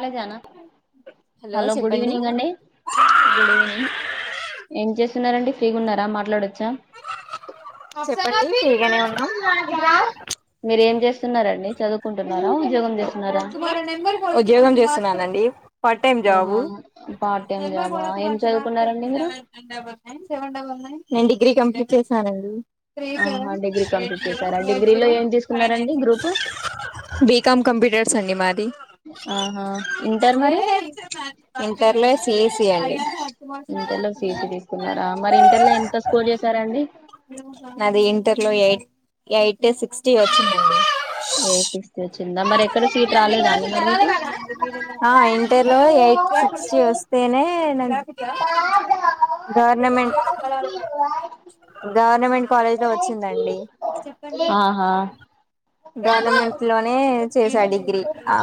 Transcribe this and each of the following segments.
కాలేజానా hello good చెప్పండి evening అండి good evening ఏం చేస్తున్నారండి ఫ్రీగున్నారా మాట్లాడొచ్చా చెప్పండి ఫ్రీగానే ఉన్నాం న్నారండి చదువుకుంటున్నారా ఉద్యోగం జెస్ ఉద్యోగం చేస్తున్నానండి part time job part time జాబా ఏం చదువుకున్నారండి మీరు నెన్ డిగ్రీ కంప్లీట్ చేసానండి ఆహా డిగ్రీ కంప్లీట్ చేశారా డిగ్రీలో ఏం తీసుకున్నారండి గ్రూప్ బీకాం కంప్యూటర్ సన్నీ మాది ఆహా ఇంటర్ మరి టర్లో సిఈసి అండి ఇంటర్ లో సిఇసి తీసుకున్నారా మరి ఇంటర్ లో ఎంత స్కోర్ చేసారాండి నాది ఇంటర్ లో ఎయిట్ ఎయిట్ సిక్స్టీ వచ్చిందండి ఎయి సిక్స్త్ వచ్చిందా మరి ఎక్కడ సీట్ రాలేదా అండి మరి మీకు ఆ ఇంటర్లో ఎయిట్ సిక్స్టీ వస్తేనే గవర్నమెంట్ గవర్న కాలేజ్ లో వచ్చిందండి చెప్పండి ఆహా గవర్నమెంట్ లోనే చేసా డిగ్రీ ఆ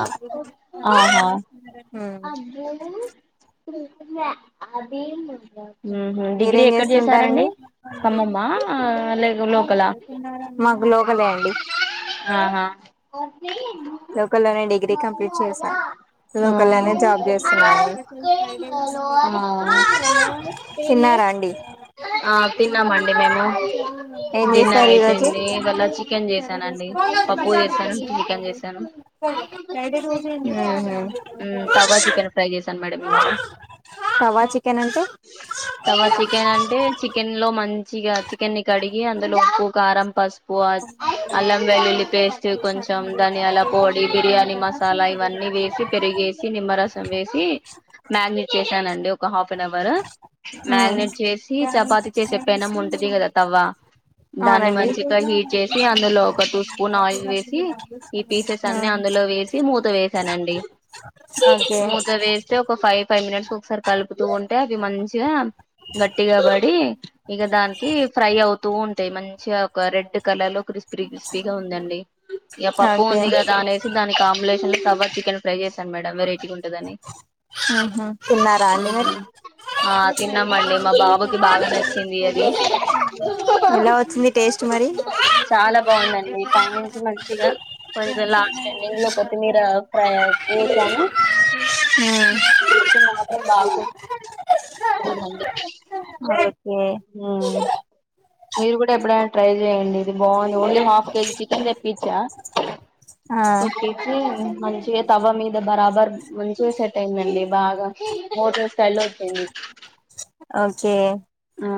ఆహా ఉమ్ అది డిగ్రీ మీరేం ఎక్కడ చేసారండి చేస్తుంటారండి కమ్మమ్మ మాకు లోకలే అండి ఆహా [inaudible] లోకల్లోనే డిగ్రీ కంప్లీట్ చేసా ఆ లోకల్లోనే జాబ్ చేస్తున్నా అండి తిన్నారా అండి ఆ తిన్నామండి మేము ఏం డిన్నర్ చేశారు ఈ రోజు అయిపోయింది ఇవాళ చికెన్ చేసానండి ఉమ్ తవా చికెన్ ఫ్రై చేసాను మేడం ఇవాళ తవా చికెన్ అంటే తవా చికెన్ అంటే చికెన్ లో మంచి చిగాతి అన్ని కడిగి అందులో ఉప్పు కారం పసుపు అల్లం వెల్లుల్లి పేస్ట్ కొంచెం ధనియాల పొడి బిర్యానీ మసాలా ఇవన్నీ వేసి పెరిగేసి నిమ్మరసం వేసి మ్యాగినేట్ చేసానండి ఒక హాఫ్ అన్ అవర్ ఉమ్ మ్యాగినేట్ చేసి చపాతి చేసే పెనం ఉంటది కదా ఆ దాన్ని అవునండి మంచి అంతా ఉమ్ హీట్ చేసి అందులో ఒక టూ స్పూన్ ఆయిల్ వేసి ఈ పీసెస్ అన్ని అందులో వేసి మూత వేసానండి ఓకే మూత వేస్తే ఒక ఫైవ్ ఫైవ్ మినిట్స్ ఒకసారి కలుపుతూ ఉంటే అవి మంచిగా గట్టిగా పడి ఇగ దానికి ఫ్రై అవుతూ ఉంటాయి మంచిగా ఒక కుక్కర్ల లో క్రిస్పీ క్రిస్పీగా ఉందండి ఇగ పప్పు ఓకే ఉంది కదా అనేసి దాని కాంబినేషన్ లో తాబా చికెన్ ఫ్రై చే టామ్ మేడమ్ వెరైటీ ఉంటందని ఉహు తిన్నారా అండి మరి ఆ తిన్నామండి మా బాబాకి బాగా నచ్చింది అది ఎలా వచ్చింది టేస్ట్ మరి చాలా బాగుందండి పైనుంచి మంచిగా కొంచెం లాస్ట్ ఎండింగ్ లో కొత్తిమీర ఫ్రై [unintelligible] ఇప్పుడు మాత్రం బాక్స్ రెడీ అయ్యింది ఓకే ఆ మీరు కూడా ఎప్పుడైనా ట్రై చేయండి అది బాగుంది ఓన్లీ హఫ్ కేజీ చికెన్ తెప్పిచ్చా ఆ ఒక కేజీ మంచిగా తవ్వ మీద బరాబర్ మంచిగా సెట్ అయిందండి బాగా హోటల్ స్టల్ వచ్చింది మంచే ఆ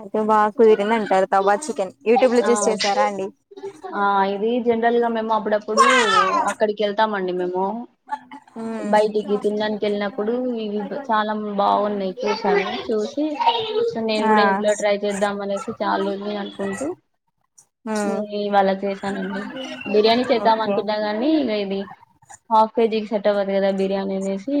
అయితే బాగా కుదిరింది అంటారు తవ్వ చికెన్ యూట్యూబ్ లో ఆ చూసి చేసారా అండి ఆ ఇది జనరల్ గా మేము అప్పుడప్పుడు అక్కడికి వెళ్తామండి మేము ఆ బయటికి షాపింగ్ తిన్నాడానికి వెళ్ళినప్పుడు ఇవి చాలా బాగున్నాయి చూసాను చూసి సో నేను కూడా ఆ ఇంట్లో ట్రై చేద్దాం అనేసి చాల రోజులు అనుకుంటూ మ్మ్ నేను ఇవాళ చేశాన్నండి బిర్యానీ చేద్దాం ఓకే అనుకున్నా కాని ఇది అఫ్ కేజీకి సెట్ అవ్వదు కదా బిర్యానీ అనేసి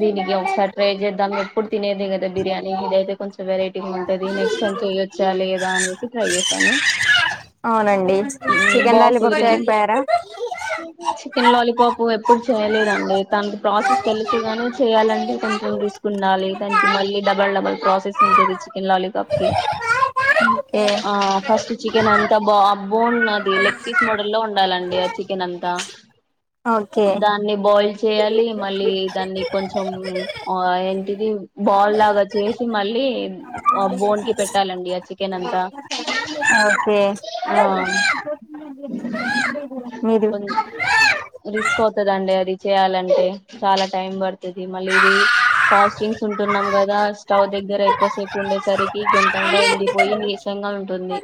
దీనికి ఒకసారి ట్రై చేద్దాం ఎప్పుడు తినేదే కదా బిర్యానీ ఇదైతే కొంచెం వెరైటీ టిగా ఉంటది నెక్స్ట్ టైం చేయొచ్చా లేదా అనేసి ట్రై చేసాను అవునండి చికెన్ బాగా లాలిఫుప్స్ కుదిరింది అయి పోయారా సోపు ఎప్పుడు చేయలేదండి తానికి ప్రాసెస్ తెలుసుగానీ చేయాలంటే కొంచెం రిస్క్ ఉండాలి దానికి మళ్ళీ డబల్ డబల్ ప్రాసెస్ ఉంటది వలాలీఫప్ కి ఆ ఫస్ట్ చికెన్ అంతా బా బాగున్నాది అది లెగ్ పీస్ మోడల్ లో ఉండాలండి ఆ చికెన్ అంతా ఓకే దాన్ని బాయిల్ చేయాలి మళ్ళీ దాన్ని కొంచెం ఆ ఏంటిది బాల్ లాగా చేసి మళ్ళీ ఆ బోన్ కి పెట్టాలండి ఆ చికెన్ అంతా ఓకే ఆ మీరు కొన్ని రిస్క్ అవుతుదండి అది చేయాలంటే చాలా టైం పడుతుంది మళ్ళీ ఇది ఫాస్టింగ్స్ ఉంటున్నాం కదా స్టవ్ దగ్గర ఎక్కువ సేపు ఉండేసరికి గొంతండ ఎండిపోయి నీసంగా ఉంటుంది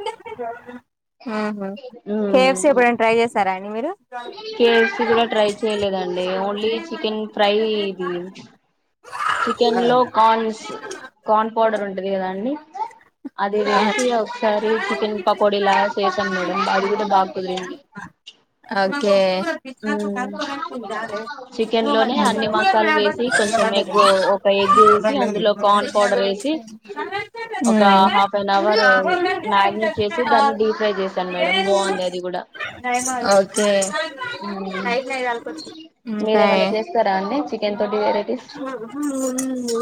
కేఎఫ్‌సీ ఉమ్ ఎప్పుడనా ట్రై చేస్తారా అండి మీరు కేఎఫ్సి కూడా ట్రై చేయలేదండి ఓన్లీ చికెన్ ఫ్రై ఇది చికెన్ లో కార్న్స్ కార్న్ పౌడర్ ఉంట అది కదా అండి అ పకోడీలా చేసాం మేడం అది కూడా బాగా కుదిరింది ఓకే ఉమ్ చికెన్ లోనే అన్ని మసాలా వేసి కొంచెం ఎగ్ ఒక ఎగ్ వేసి అందులో కాన్ పౌడర్ వేసి ఒక హాఫ్ వన్ అవర్ మినట్ చేసి దాన్ని డప్ ఫ్రై చేస్తాను మేడం బాగుంది అది కూడా ఓకే మీర ఇంకా ఏమన్న చేస్తారా అండి చెన్ తోటి వెరైటీస్ అ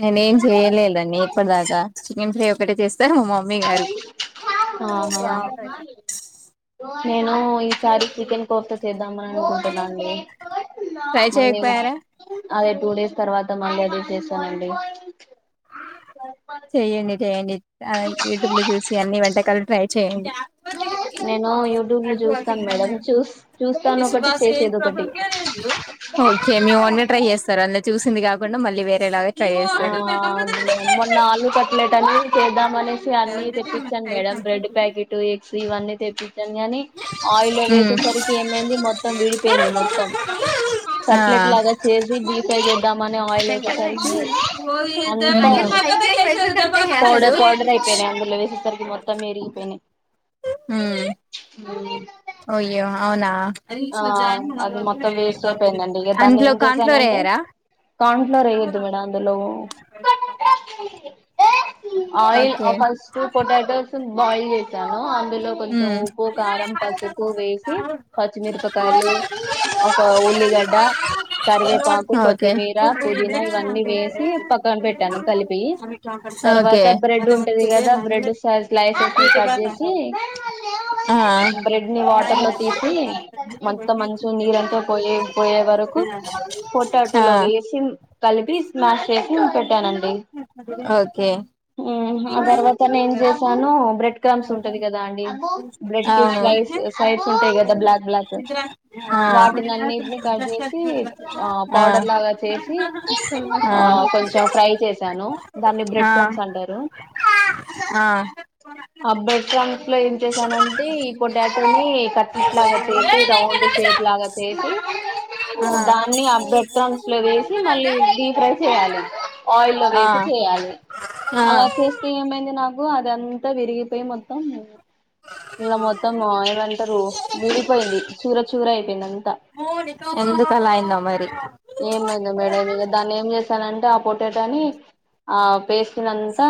నేనేం చేయలేదండీ ఇప్పటి దాకా చికెన్ ఫ్రై ఒకటే చేస్తా సరే మా మమ్మీ గారు ఆహా నేను ఈసారి చికెన్ కోఫ్తా చేద్దామని అనుకుంటున్నాండి ఫ్రే చేయక మళ్ళీ పోయారా అదే టూ డేస్ తర్వాత మళ్ళీ అదే చేశానండి చేయండి చేయండి యూట్యూబ్ లో చూసి అన్ని వంటకాలు ట్రై చేయండి నేను యూట్యూబ్ లో చూస్తాను మేడం చూస్ చూస్తాను ఒకటి చేసేది ఒకటి ఒకే మీ వంట ట్రై చేస్తారు అ చూసింది కాకుండా మళ్ళీ వేరే లా ఆ అది మొన్న ఆలు కట్లేెట్ అని ద్దాం అనేసి అన్ని తెప్పించాను మేడంమ్ బ్రెడ్ ప్యాకెట్ ఎగ్స్ ఇవన్నీ తెప్పి గాని ఆయిల్ ఉమ్ వేసేసరికి ఏమైంది మొత్తం విడిపోయింది మొత్తం ఆ కట్లెట్ లాగా చేసి డీ ఫ్రేయ్ చేద్దామని ఆయిల్ వేసేసరికి అంతా [unintelligible] పౌడర్ పౌడర్ అయిపోయినాయి అందులో వేసేసరికి [inaudible] మొత్తం విరిగి పోయిన హ అ అయ్యో అవునా ఆ అది మొత్తం వేస్ట్ అయిపోయిందండి ఇక దాన్ని అంట్లో ఏం కాన్ ఫ్లోర్ చేసానంటే ఎయ్యారా కార్న్ఫ్లోర్ వేయొద్దు మేడం అందులో ఆయిల్ ఆ ఓకే ఫస్టు పొటాటోస్ ఉ బాయిల్ చేసాను ఇందులో కొంచెం ఉమ్ ఉప్పు కారం పసుపు వేసి పచ్చిమిరపకాయలు ఒక ఉల్లిగడ్డ కరివేపాకు ఓకే కొత్తిమీర పుదీనా ఇవన్నీ వేసి పక్కన పెట్టాను కలిపియి తర్వాత ఓకే బ్రెడ్ ఉంటది కదా బ్రెడ్ సైజ్ స్లయ్స్ ని కట్ చేసి ఆ టి మంత మంచు నీరంతా పోయే పోయే వరకు ఫోటో ఆ ఆటోలో వేసి కలిపి మాకేట్లుంటది ఓకే ఊమ్ ఆ తర్వాత నేన్ చేసాను బ్రెడ్ క్రామ్స్ ఉంటది కదా అండి బ్రెడ్ కి స్లైస్ సైడ్స్ ఉంటాయి గద ధ బ్లాక్ బ్లాక్ వాటిని అన్నిటిని కట్ జేసి ఆ పౌడర్ లాగా చేసి ఆ కొంచం ఫ్రై చేశాను దాన్ని బ్రెడ్ క్రమ్స్ అంటారు అబ్బ ఎకువన్ లో ఏం చేశానంటే ఈ పొటాటోని కట్ ఇట్లాగా చేసి రౌండ్ షేప్ లాగా చేసి దాన్ని ఆ బెట్రన్స్ లో వేసి మళ్ళీ డిప్రై చేయాలి ఆయిల్ లొ వేసి చేయాలి అలా చేస్తే ఏమైంది నాక్ ఓ అదంతా విరిగిపోయి మొత్తం ఇలా మొత్తం మాయలంటారు విడిపోయింది చూర చూర అయిపోయింది అంతా ఎందుకలా అయిందో మరి ఏమైందో మేడం ఇగ దాన్ని ఏం జేశానం గ పొటాటోని ఆ పేస్టునంత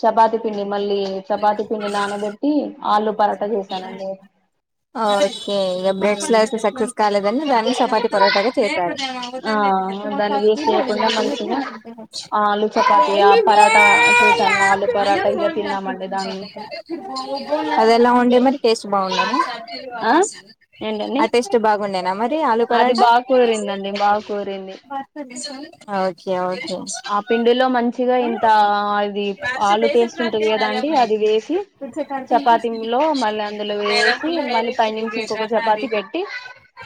చపాతి పిండి మళ్ళీ చపాతి పిండి నానబెట్టి ఆలు పరాటా చేసానండి ఆ ఓకే ఇగ బ్రెడ్ స్లాస్ సక్సెస్ కాలేదని దాన్ని చపాతి పరోటాగా చేసాను ఆ దాన్ని వేస్ట్ చేయకుండా మంచిగా ఆలు చపాతి ఆ పరాటా చేసాను ఆలు పరాటా ఇక తిన్నామండి దాన్ని అదే ఇలా ఉండే మరి టేస్ట్ బాగున్నదా ఆ ఏంటండి అ టెస్టు బాగ్ ఉండేన మరి ఆలు అది పరాటా బాగా కుదిరిందండి బా కుదిరింది ఆ ఓకే ఔర్ ఆ పిండిలో మంచిగా ఇంత అది ఆలు పేస్ట్ ఉంటది గదండి అది వేసి చపాతిలో ఒ మళ్ళ అందులో వేసి మళ్లి పైనుంచి ఇంకొక చపాతి పెట్టి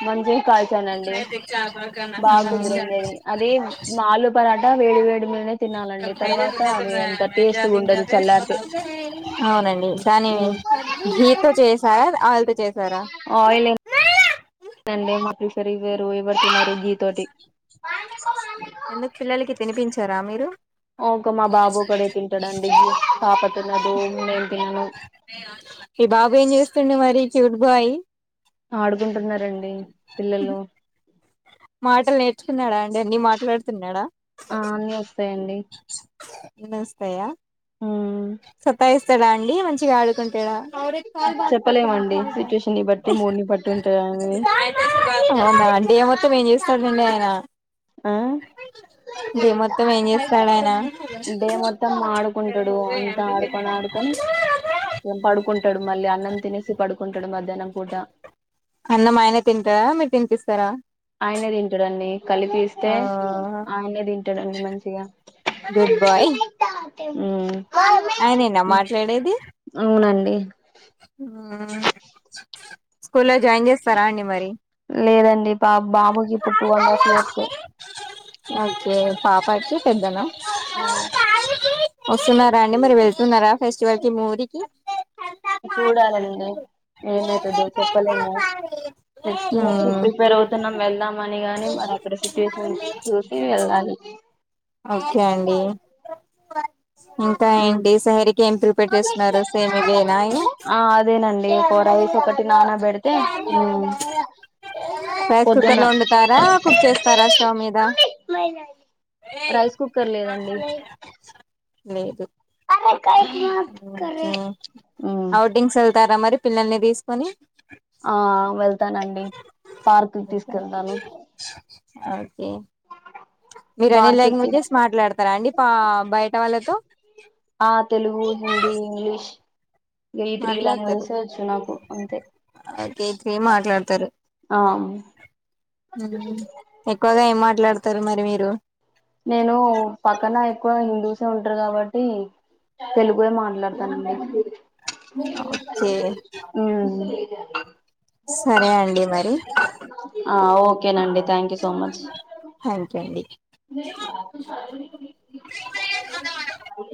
మంచిగా కాల్చానండి బా కుదిరిందది అది ఆలూపర గ వేడివేడి ను టేస్ట్ ఉండదు చల్లారితే అవునండి కానీ ఉమ్ గీత్తో చేసారా అయి తుచే ఆయిలింగ్ అండి మాకు రివరు ఎవర్ తినరు గీ తోటి అ ఎందుకు పిల్లలకి తినిపించారా మీరు ఒక మా బాబుక్కడే తింటాడండి పాపతినదు నేను తిన్నను ఈ బాబు ఏం చేస్తుండే మరి చూడు దుబాయ్ ఆడుకుంటున్నారండి పిల్లలు మాటలు నేర్చుకున్నాడా అండి అన్ని మాట్లాడుతున్నాడా ఆ అన్నీ వస్తాయండి అన్ని వస్తాయా ఉమ్ సత్తయిస్ అండి మంచిగా ఆడు చెప్పలేమండి సిచ్యుయేషన్ ని బట్టి మూడ్ ని బట్టి ఉంటదని టాడ ఏం చేస్తున్నాడండి ఆయన ఆ డే మొత్తం ఏం చేస్తాడు ఆయన డే మొత్తం ఆడుకుంటాడు అంతా ఆడుకొని ఆడుకొని పడుకుంటాడు మళ్ళీ అన్నం తినే అన్నం ఆయనే తింటారా మీరు తినిపిస్త స్తరా ఆయనే తింటాడు అండి కలిపిస్తే ఆ ఆయనే తి టండి మంచిగా గుడ్ బాయ్ ఉమ్ అయనేనా మాట్లాడేది ఎ ఆ స్కూల్లో జాయిన్ చేస్తారా అండి మరి బాబు బాబుకి టూ అండ్ హాఫ్ ఇయర్స్ ఏ ఓకే పాపాయి కి పెద్దనా వస్తున్నారా అండి మరి వెళ్తున్నారా ఫెస్ట్ చివరికి మూరికి చూడాలని ఉంది ఏమైతదో చెప్పలేము నెక్స్ట్ టన్త్ కి మ్మ్ ప్రిపేర్ అవుతున్నామ్ వెళ్దామని గాని మరి అక్కడ సిట్యూటిని చూసి వెళ్ళాలి ఓకే అండి ఇంకా ఉమ్ ఏంటి సహేరికి ఆ అదేనండి ఒక రైస్ ఒకటి నానా పెడితే రైస్ కుక్కర్ పొద్దున్న లో వండుతారా కుక్ చేస్తారా స్టవ్ మీద రైస్ కుక్కర్ లేదండి లేదు హ్మ తారా మరి పిల్లల్ని తీసుకొని ఆ వెళ్తానండి పార్క్తీసుకెళ్తాను ఓకే మీరు అనే నేల్ లాంగ్వేజెస్ మాట్లాడతారా అండి పా బయట వాళ్ళతో ఆ తెలుగు హిందీ ఇంగ్లీష్ ఈ త్రీ లాంగ్వేజెస్ వచ్చు నాకు అంతే అదైతే మాట్లాడతారు ఆ ఎక్కువగా ఏం మాట్లాడు వత్తరు మరి మీరు నేను పక్కన ఎక్కువ హిందూసే ఉంటరు కాబట్టి తెలుగే మాట్లాడతానండి ఓకే హ్మ్ సరే అండి మరి ఆ ఓకేనండి thank you so much thank you అండి